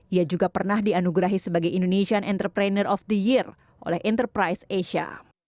ia juga pernah dianugerahi sebagai indonesian entrepreneur of the year oleh enterprise asia